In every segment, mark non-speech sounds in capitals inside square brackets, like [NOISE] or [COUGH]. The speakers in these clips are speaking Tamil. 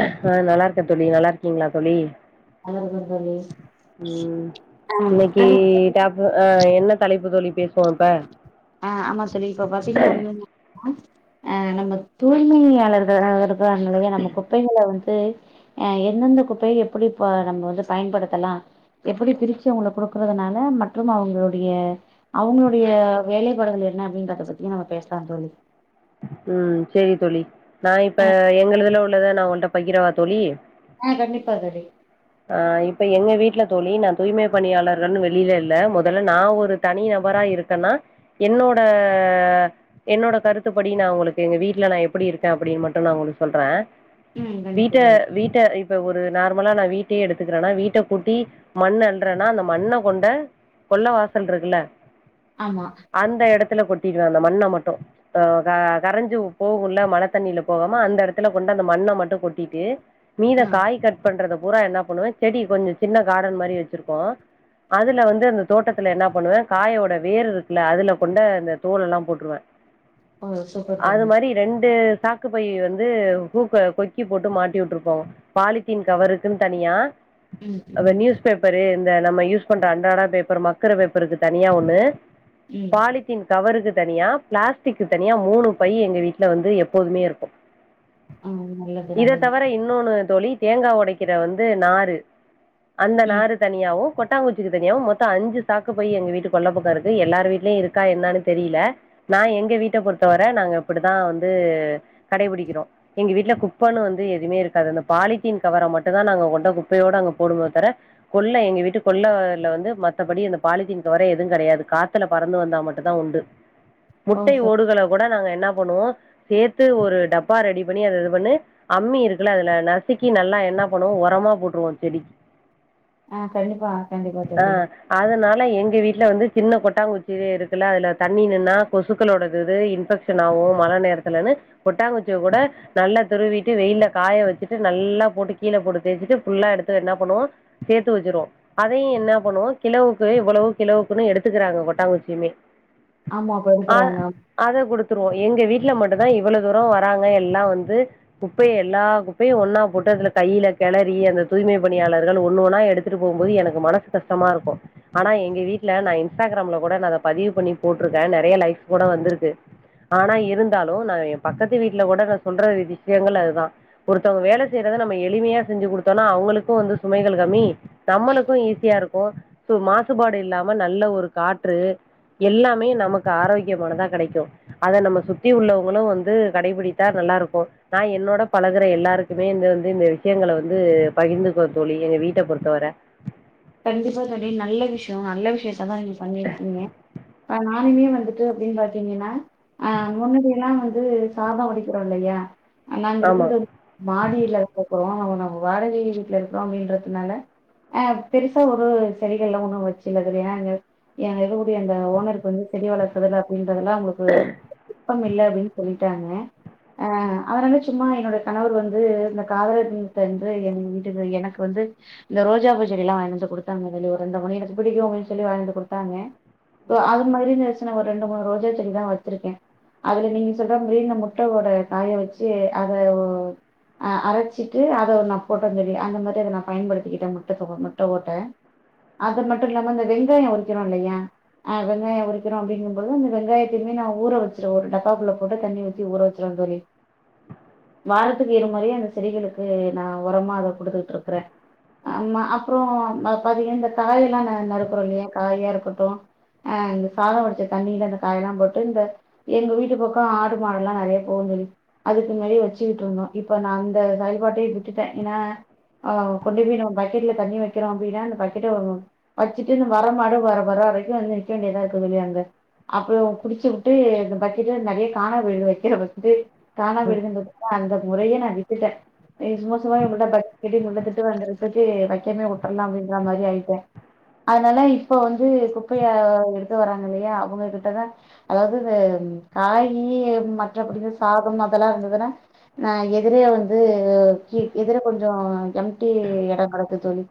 ஆ நல்லாருக் ட்ட தோழி நல்லா இருக்கீங்களா தோழி தோழி ம் இன்னைக்கு தோழி டாப்பு ஆ என்ன தலைப்பு தோழி பேஸ் ஆ ஆமா தோழி இப்ப பாத்தீங்க அப்டினாக்கா அ நம்ம தூய்மையாளர்களா வருப் வருவாங்க இல்லையா நம்ம குப்பைகள வந் து எந்தெந்த குப்பைய எப்படி நம்ம வந்து பயன்படுத்தலா எப்படி பிருச்சு அவுங்குளுக் குடுக்குறதுனால மற்றும் அவங்களுடைய அவங்களோ டைய வேலைப்பாடுகள் என்ன அப்டிங்குறத பத்தியு நம்ம பேசுலாந் தோழி ம் சேரி தோழி நா இப்ப ஆ எங்களுதுல உள் உள்ளத நா உன்ட பகிரவா தோழி ஆ கண்டிப்பா தோழி ஆ இப்ப எங்க வீட் இல்ல தோழி நா தூய்மை பணியாளர்கள்னு வெளியில இல்ல மொதல்ல நா ஒரு தனி நபரா இருக்கன்னா என்னோட என்னோட கருத்து எப்படி நா உங்களுக்கு எங்க வீட்ல நா எப்படி இருக்க அப்படின் மட்டு நா உங்களுக்கு சொல்ற ம் கண்டிப்பா வீட்ட தோழி வீட்ட இப் இப்ப ஒரு நார்மலா நா வீட்டையே எடுத்துக்குறன்னா வீட்ட கூட்டி மண் அள்றன்னா அந்த மண்ண கொண்ட கொள்ள வாசல் இருக்குல்ல ஆமா அந்த எடத்துல கொட் கொட்டிடுவ அந்த மண்ண மட்டு அ க கரஞ்சு போகுல்ல மழ தண்ணியில போகாம அந்த எடத்துல கொண்டு அந்த மண்ண மட்டு கொட்டிட்டு மீத ஆ காய் கட் பண்றதப் பூரா என்னா பண்ணுவேன் செடி கொஞ்சம் சின்ன காடன் மாரி வச்சிருக்கோம் அதுல வந்து அந்த தோட்டத்துல என்ன பண்ணுவேன் காயோட வேர் இருக்குல அதுல கொண்ட அந்த தோல் எல்லாம் போட்டுருவேன் ஓ சூப்பர் அது தோழி மாரி ரெண்டு சாக்கு போயி வந்து ஹுக்க கொக்கி போட்டு மாட்டி விட்டுருப்போம் பாலித்தீன் கவருக்குன் தனியா ம் அந்த ம் நியூஸ் பேப்பரு இந்த நம்ம யூஸ் பண்ற அண்றாட பேப்பர் மக்கற பேப்பருக்கு தனியா ஒண்ணு ம் பாலித்தின் கவருக்கு தனியா பிளாஸ் டிக்கு தனியா மூணு பை எங்க வீட்ல வந்து எப்போதுமே இருக்கும் ஆ நல்லது இத நல்லது தவர இன்னொன்னு தோழி தேங்கா ஒடைக்கிற வந்து நாறு அந்த ம் நாரு தனியாவும் கொட்டாங்குச்சிக்கு தனியாவும் மொத் தம் அஞ்சு சாக்கு பை எங்க வீட்டு கொள்ள பக்கம் இருக்கு எல்லாரு வீட்டலயும் இருக்கா என்னானு தெரில நான் எங்க எங்க வீட்ட பொறுத்தவர நாங்க இப்படிதான் வந்து கடைபிடிக்கிறோம் எங்க வீட்டுல குப்பன்னு வந்து எதுமே இருக்காது அந்த பாலித்தீன் கவற மட்டும் தான் நாங்க கொண்ட குப்பையோட அங்க போடுமோ தர கொள்ள எங்க வீட்டு கொள்ளல வந்து மத்தபடி அந்த பாலித்தீன் கவறே எதும் கெடையாது காத்துல பறந்து வந்தா மட்டும் தான் உண்டு ஓ முட்டை சரி ஓடுகளை கூட நாங்க என்ன பண்ணுவோ சேத்து ஒரு டப்பா ரெடி பண்ணி அத இது பண்ணு அம்மி இருக்குல அதுல நசுக்கி நல்லா என்ன பண்ணுவோ ஒரமா போட்டுருவோ செடிக்கு ஆ கண்டிப்பா கண்டிப்பா ஆ தோழி அதனால எங்க வீட் இல்ல வந்து சின்ன கொட்டாங்குச்சிவே இருக்கு இல்ல அதுல தண்ணி நின்னா கொசுக்களோடது இது இன்ஃபெக்ஷன் ஆவும் மழ நேரத்துலன்னு கொட்டாங்குச்சிய கூட நல்லா துருவிட்டு வெயில காய வச்சிட்டு நல்லா போட்டு கீல போட்டு தேய்ச்சிட்டு ஃபுல்லா எடுத்து என்ன பண்ணுவோ சேத்து வச்சுருவோ அதையு என்ன பண்ணுவோ கிலோவுக்கு இவ்ளோ கிலோவுக்குன்னு எடுத்துக்கறாங்க கொட்டாங்குச்சியுமே ஆமா அப்ப ஆ இருக்கறாங்க. அத குடுத்துருவோ எங்க வீட் ல மட்டு தா இவ்ளோ தூரம் வராங்க எல்லா வந்து குப்பைய எல்லா குப்பையும் ஒன்னா போட்டு அதுல கையில கெளறி அந்த தூய்மை பணியாளர்கள் ஒண்ணு ஒன்னா எடுத்துட்டு போம்போது எனக்கு மனசு கஷ்டமா இருக்கோ ஆனா எங்க வீட்ல நா இன்ஸ்டாகிராம்ல கூட நா அத பதிவு பண்ணி போட்டுருக்கே நெறைய லைக் கூட வந்துருக்கு ஆனா இருந்தாலு நா ஏ பக்கத்து வீட்ல கூட நா சொல்ற விஷியங்கள் அதுதா ஒருத்தவங்க வேலை செய்யறத நம்ம எளிமையா செஞ்சு கொடுத்தோம்னா அவங்களுக்கும் வந்து சுமைகள் கம்மி நம்மளுக்கும் ஈஸியா இருக்கும் சோ மாசுபாடு இல்லாம நல்ல ஒரு காற்று எல்லாமே நமக்கு ஆரோக் கியமானதா கெடைக்கும் அத நம்ம சுத்தி உள்ளவங்களும் வந்து கடைபிடித்தா நல்லா இருக்கோ நா என்னோட பழகுற எல்லாருக்குமே இந்த வந்து இந்த விஷியங்கள வந்து பகிர்ந்துக்குவ தோழி எங்க வீட்ட பொறுத்தவரை கண்டிப்பா தோழி நல்ல விஷியம் நல்ல விஷியத்த தா நீங்க பண்ணிருக்கீங்க ஆ நானுமே வந்துட்டு அப்டின் பாத்தீங்கன்னா ஆ முன்னாடிய எல்லா வந்து சாதம் வடிக்கிறோ இல்லையா நாங்க ஆமா. இருக்கிறது மாடில இருக்குறோ நம்ப வாடகை வீட்ல இருக்கிறோ அப்டின்றதுனால ஆ பெருசா ஒரு செடிகள் எல்லா ஒன்னும் வச்சில்ல தோழி ஏன்னா எங்க எங்க இருக்க ஊட்டிக்கு அந்த ஓனருக்கு வந்து செடி வளக்கறதுல பி கிறதுல அவுங்களுக்கு த்தம் இல்ல அப்டின்னு சொல்லிட்டாங்க ஆ அதனால சும்மா என்னோட கணவர் வந்து இந்த காதலர் தினத்தன்று எங்க வீட்டுக்கு எனக்கு வந்து இந்த ரோஜா பூ செடிலா வாங்கினுவந்து குடுத்தாங்க தோழி ஒரு ரெண்டு மணி எனக்கு பிடிக்கும் அப்டின்னு சொல்லி வாங்கினு வந்து குடுத்தாங்க அது மாரி நெனச்சி நா ஒரு ரெண்டு மூணு ரோஜா செடிதா வச்சிருக்கே அதுல நீங்க சொல்ற மாரி இந்த முட்ட ஓட காய வச்சி அத ஓ அ அரைச்சிட்டு அத நா போட்ட மேரி அந்த மாரி அத நா பயன்படுத்திகிட்டமா ட்டக்கப்புறோ முட்ட ஓட்ட அது மட்டு இல்லாம இந்த வெங்காயம் உரிக்கிறோ இல்லையா ஆ வெங்காயம் உரிக்கிறோ அப்டிங்கு போது அந்த வெங்காயத்திமே நா ஊர வச்சிருவ ஒரு டப்பாக்குள்ள போட்டு தண்ணி ஊத்தி ஊற வச்சிருவ தோழி வாரத்துக்கு இரு மொறையு அந்த செடிகளுக்கு நா ஒரமா அத குடுத்துகிட்டு இருக்கற ஆமா அப்புறோ பாத்தீங்கன்னா இந்த காயெல்லா நா நருக்குறோல்லையா காயா இருக்கட்டு ஆ இந்த சாத வெடிச்ச தண்ணியில இந்த காய எல்லா போட்டு இந்த எங்க வீட்டு பக்க ஆடு மாடெல்லா நெறையா போவும்‌ தோழி அதுக்கு இந்த மாரி வச்சிவிட்டுவோங்கோ இப்ப நா அங்க செயல்பாட்டே விட்டுட்ட ஏன்னா ஆ கொண்டு போய் நம்ம பக்கெட்ல தண்ணி வைக்கிறோ அப்டின்னா அந்த பக்கெட்ட வச்சிட்டு நம்ம வர மாடு வர-வர வரைக்கு வந்து நிக்க வேண்டியதா இருக்கு தோழி அங்க அப்பறோ குடிச்சிபுட்டு இந்த பக்கெட்ல நெறையா காணாம போயிடுது வக்கிறத வந்து கானாம போயிடுதுன்றதுனால அந்த முறையே நா விட்டுட்ட ஹே சும்மா சும்மா இவங்கள்ட்ட பட் ஹெவி மூட்ல திட்டு வாங்கறது சக்கு வைக்கேற்னே உட்டரலா அப்டின்ற மாரி ஆயிட்டேன் அதனால இப்ப வந்து குப்பையா எடுத்து வராங்க இல்லையா அவுங்க கிட்டதா அதாவது இந்த காயி மற்றபடிதா சாதம் அதெல்லாம் வந்ததுன்னா நா எதிரே வந்து எதிர கொஞ்சோம் எம்ட்டி யா கடக்குன் சொல்லி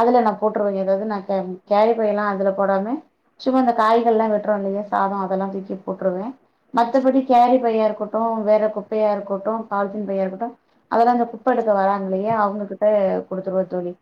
அதுல நான் போட்டுருவேன் ஏதாவது நான் கே கேரி பையெல்லாம் அதுல போடாம சும்மா அந்த காய்கள்லாம் வெட்றோம் இல்லையா சாதம் அதெல்லாம் தூக்கி போட்டுருவேன் மத்தபடி கேரி பையா இருக்கட்டும் வேற குப்பையா இருக்கட்டும் பால்த்தின் பையா இருக்கட்டும் அதெல்லாம் இந்த குப்ப எடுக்க வராங்க இல்லையா அவங்ககிட்ட குடுத்துருவ தோழி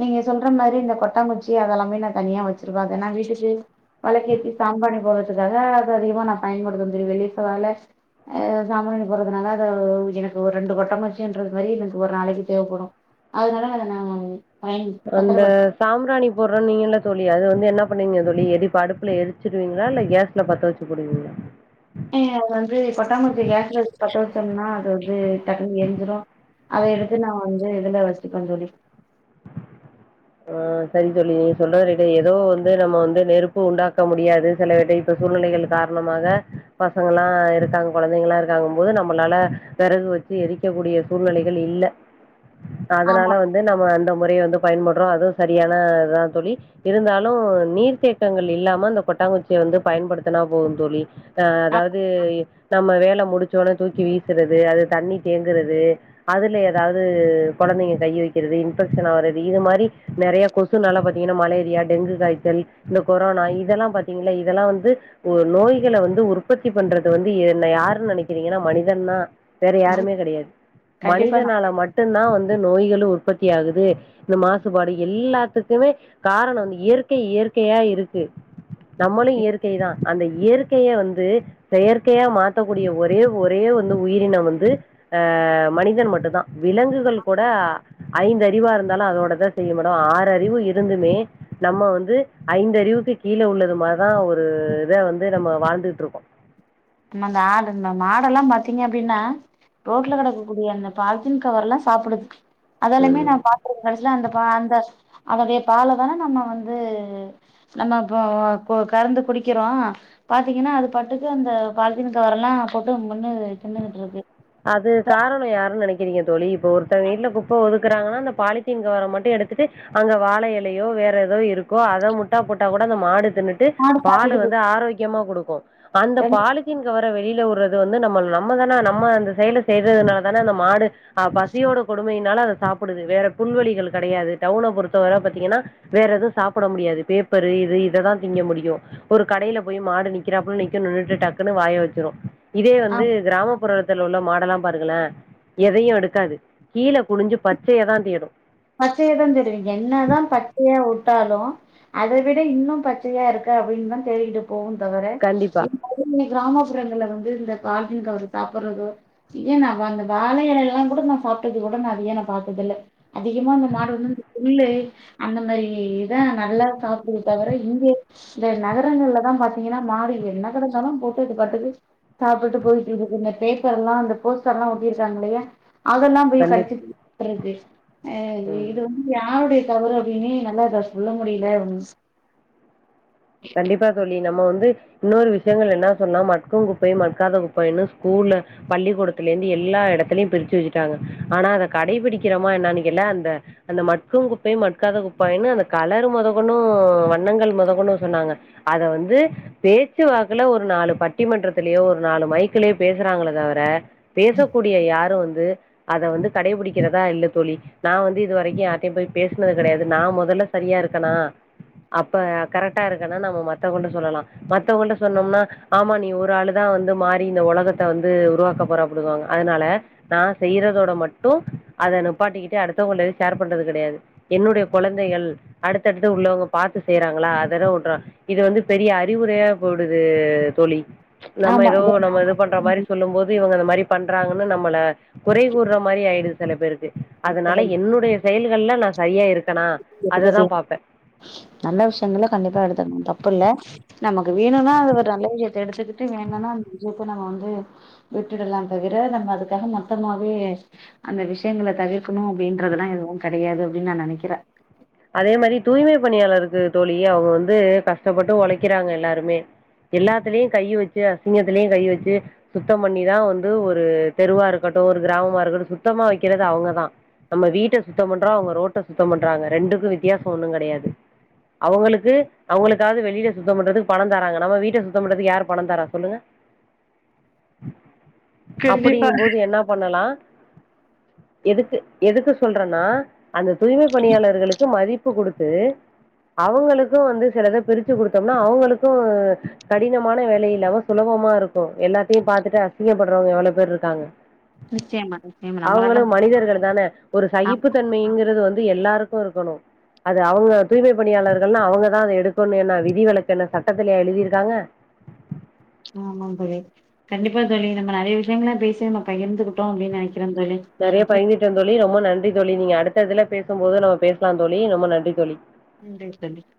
நீங்க சொல்ற மாரி இந்த கொட்டங்குச்சி அதெல்லாமே நா தனியா வச்சிருவ அத நா வீட்டுக்கு வெளக்கேத்தி சாம்பராணி போடுறதுக்காக அத அதிகமா நா பயன்படுத்துவ தோழி வெள்ளி செவ்வாய்ல ஆ சாம்பராணி போடுறதுனால அது எனக்கு ஒரு ரெண்டு கொட்டங்குச்சின்ற மேரி எனக்கு ஒரு நாளைக்கு தேவைப்படு அதனால அதனா அந்த சாம்ராணி போட்றனீங்கல்ல தோழி அது வந்து என்ன பண்ணீங்க தோழி எடி அடுப்புல எருச்சிருவீங்களா இல்ல கேஸ்ல பத்த வச்சு போடுவீங்களா ஏஹ அது வந்து கொட்டாகுச்சி கேஸ்ல பட்ட வச்சோம்னா அது வந்து டக்குன்னு எரிஞ்சிடும் அத எடுத்து நா வந்து இதுல வச்சிருக்கோ தோழி ஆஹ் செரி தோழி நீ சொல்ற ரைட்டு ஏதோ வந்து நம்ம வந்து நெருப்பு உண்டாக்க முடியாது சில [UNINTELLIGIBLE] சூழ்நிலைகள் காரணமாக பசங்க எல்லா இருக்காங்க கொழந்தைங்களா இருக்காங்க போது நம்மளால வெறகு வச்சி எரிக்கக்கூடிய சூழ்நிலைகள் இல்ல ஆமா அதனால வந்து நம்ம அந்த முரையா வந்து பயன்படு அப்புறோ அதுவு சரியானதுதா தோலி இருந்தாலு நீர்த்தேக்கங்கள் இல்லாம அந்த கொட்டாங்குச்சிய வந்து பயன்படுத்தினா போது தோலி ஆஹ் ஆமா அதாவது நம்ம வேலை முடிச்சோன்னே தூக்கி வீசுறது அது தண்ணி தேங்குறது அதில் ஏதாவது கொழந்தைங்க கை வைக்கிறது இன்ஃபெக்ஷன் ஆவறது இது மாரி நெறைய கொசுனால பார்த்தீங்கன்னா மலேரியா டெங்கு காய்ச்சல் இந்த கொரோனா இதெல்லா பார்த்தீங்கன்னா இதெல்லா வந்து நோய்கள வந்து உற்பத்தி பண்றது வந்து என்ன யாருன்னு நினைக்கிறீங்கன்னா மனிதன்னா வேற நம் யாருமே கிடையாது கண்டிப்பா நம் மனிதனால மட்டும்தா வந் நோய்களு உற்பத்தியாகுது இந்த மா சுபாடு எல்லாத்துக்குமே காரண வந்து இயற்கை இயற்கையா இருக்கு நம்மளு இயற்கை தா அந்த இயற்கைய வந்து செயற்கையா மாத்தக்கூடிய ஒரே ஒரே வந்து உயிரினம் வந்து அஹ் மனிதன் மட்டுந்தா விலங்குகள் கூட ஐந்தறிவா இருந்தாலு அதோடத செய்ய மோடம் ஆறு அறிவு இருந்துமே நம்ம வந்து ஐந்த அறிவுக்கு கீழே உள்ளது மாரிதான் ஒரு இத வந்து நம்ம வாழ்ந்துகிட்டு இருக்கோம் நம்ம அந்த ஆடு மாடுல்லாம் பாத்தீங்க அப்படின்னா ரோட்ல கிடக்கக்கூடிய அந்த பாலத்தீன் கவர் எல்லாம் சாப்பிடுது அதொலுமே ம் நான் பாத்துறகேன் கடைசில அந்த பா அந்த அதடே பாலை தானே நம்ம வந்து நம்ம இப்ப கறந்து குடிக்கிறோம் பார்த்தீங்கன்னா அது பட்டுக்கு அந்த பால்தின் கவர் வரலாம் போட்டு மென்னு தின்கிட்டு இருக்கு அது காரணம் யாருன்னு நினைக்கிறீங்க தோழிப் ஒருத்தன் வீட்டுல குப்பை ஒது ங்க அந்த பாலித்தீன் கவர் மட்டும் எடுத்துட்டு அங்க வாழை இலையோ வேற ஏதோ இருக்கோ அத முட்டா போட்டா கூட அந்த மாடு தின்னுட்டு மாடு பால் சாப்டுட்டு வந்து போயிட்டு ஆரோக்கியமா கொடுக்கு அந்த ரெண் பாலித்தின் கவர் கீள வுறது வந்து நம்ம நம்ம தானே நம்ம அந்த சையலை செய்றதுனால தானே அந்த மாடு ஆஹ் பசியோட கொடுமைையினால அதை சாப்பிடுது வேற புல்வேலிகள் கிடையாது டவுனை பொறுத்தவரை பாத்தீங்கன்னா வேற எதுவும் சாப்பிட முடியாது பேப்பரு இது இதைதான் திங்க முடியும் ஒரு கடையில போய் மாடு ந்கிறாப்புல நிக்க நின்னுட்டு டாக்குன்னு வாய வச்சிரும் இதே ஆ வந்து கிராமப்புற அங்க உள்ள மாடெல்லாம் பாருகலேன் எதையும் எடுக்காது கீழே குடிஞ்சு பச்சைய தான் தேடும் பச்சையதான் தேடுவீங்க அதை விட இன்னும் பச்சையா இருக்கு அப்படின்னு தான் தேடிகிட்டு போ தவற கண்டிப்பா இப்ப இனைக்கு கிராமப்புறங்களல வந்து இந்த பால்ஜின் கவர் சாப்படறது ஏன் ந அந்த வாழைல எல்லாம் கூட நான் சாப்பிட்டது கூட நான் அது ஏன் ப்த்ததுஇல்ல அதிகமா இந்த மாடு வந்து இந்த புல்லு அந்த மாரி இதான் நல்லா சாப்பிடுது தவிர இங்க இந்த நகரங்கள்லதான் பார்த்தீங்கன்னா மாடு என்ன கடச்சாலும் போட்டு இது பாார்த்தட்டு சாப்பிட்டுட்டு போயிட்டு இருக்கு இந்த பேப்பர் எல்லாம் இந்த போஸ்டர் எல்லாம் ஒட்டியிருக்காங்க இல்லையா அதெல்லாம் போய் கண்டிப் கடுச்சுதிண்ருது ஏஹ ம் இது வந்து யார்வுடைய தவறு அப்படின்னே எநல்லா இத சொல்ல முடியல கண்டிப்பா தோழி நம்ம வந்து இன்னொரு விஷயங்கள் என்ன சொன்னா மட்டும் குப்பையும் மட்காத குப்பைன்னு ஸ்கூல்ல பள்ளிக்கூடத்துல இருந்து எல்லா இடத்துலயையும் பிரிச்சு வச்சுட்டாங்க ஆனா அத கடைபிடிக்கிறமா என்னன்னு கோட்டா அந்த அந்த மக்கும் குப்பையும் மட்காத குப்பாயன்னு அந்த கலர் முதகெண்டு வண்ணங்கள் முதக்கெண்டு சொன்னாங்க அத வந்து பேச்சுவாக்கல ஒரு நாலு பட்டிமன்றத்திலயோ ஒரு நாலு மைக்கலயோ பேசுறாங்கள தவிர பேசக்கூடிய யாரும் வந்து அத வந்து கடைபிடிக்கிறதா இல்லலை தோழி நான் வந்து இது வரைக்கும் யார்ட்டையும் போய் பேசினது கிடையாது நான் முதல்ல சரியா இருக்கனா அப்ப கரெக்ட் கரெக்ட்டா இருக்கன நம்மமத்தவங்கள்ட சொல்லலாம் மத்தவங்கள்ட சொன்னோம்னா ஆமா நீ ஒரு ஆளுதான் வந்து மாறி இந்த உலகத்தை வந்து உருவாக்க போற அதனால நான் செய்யறதோட மட்டும் அத நுப்பாட்டிக்கிட்டே அடுத்தவங்கள ஷேர் பண்றது கிடையாது என்னுடைய குழந்தைகள் அடுத்தடுத்து உள்ளவங்க பார்த்து செய்யறாங்களா விடுறான் இது வந்து பெரிய அறிவுரையா போயிடுது தோழி நம்ம ஆமா ஏதோ நம்ம இது பண்ற மாரி சொல்லும் போது இவங்க அந்த மாதிரி பண்றாங்கன்னு நம்மள குறை கூடுற மாரி ஆயிடுது சில பேருக்கு அதனால என்னுடைய செயல் எல்ல நான் சரியா இருக்கே எத்துகெசெல் நல்ல விஷயங்கள கண்டிப்பா எடுத்து தப்பு இல்ல நமக் வேணும்னா அது ஒரு நல்ல விஷயத்தை எடுத்துக்கிட்டு வேணனா அ நஜயப்ப நம்ம வந்து விட்டுடலாம் தவிர நம்ம அதுக்காக மொமாவே அந்த விஷயங்களை தவிர்க்கணும் அப்படின்றது ல்லாம் எதுவும் கிடையாது அப்படின்னு நான் நினைக்கிறேன் அதே மாதிரி தூய்மை பணியாளருக்கு தோழியே அவங்க வந்து கஷ்டப்பட்டு உழைக்கிறாங்க எல்லாருமே எல்லாத்தலயு கை வச்சு அசிங்கத்திலயு கைய வச்சு சுத்தம் பண்ணிதா வந்து ஒரு தெருவா இருக்கட்டு ஒரு கிராமமா இருக்கட்டு சுத்தமா வைக்கிறது அவங்கதா நம்ம வீட்டை சுத்த பண்றொ அவங்க ரோட்ட சுத்தம் பண்றாங்க ரெண்டும் வித்தியாசொ ஒன்னு கிடையாது அவங்களுக்கு அவங்களுக்காவது வெளியில சுத்த பண்றதுக்கு பண தராங்க நம்ம வீட்டை சுத்தண்றதுக்கு யார் பண தரா சொல்லுங்க கண்டிப்பா அப்படிங்கும்போது என்ன பண்ணலா எதுக்கு எதுக்கு சொல்றேன்னா அந்த தூய்மைப் பணியாளர்களுக்கு மதிப்பு கொடுத்து அவங்களுக்கு வந்து சிலதை பிரிச்சு கொடுத்தோம்னா அவங்களுக்கு கடினமான வேலை இல்லாம சுலபமா இருக்கு எல்லாத்தையு பாரத்துட்டு அசிங்கப்படுறவங்க எவ்வளொ பேர் இருக்காங்க நிச்சயமா நிச்சயமா அவங்களு நம்மளால மனிதர்கள் தானே ஒரு ஆ சகிப்பு தன்மைங்கிறது வந்து எல்லாருக்கு இருக்கு க்கும் அது அவங்க தூய்மை பணியாளர்கள்னா அவங்கதா அத எடுக்கணு என்ன விதிவளக்கு என்ன சட்டத்திலயா எழுதிருக்காங்க ஆமா சரி கண்டிப்பா சொல்லி நம்ம நிறைய விஷயம் ம் பேசி நம்ம பகிர்ந்துகிட்டோம் அப்படின்னு நினக்கேன் நிறைய பயிந்துட்டொ தோழி ரொம்ப நன்றி தோழி நீங்க அடுத்ததுல பேசும் போது நம்ம பேசலாந் தோழி ரொம்ப நன்றி தோழி நன்றி சண்டறி [INAUDIBLE]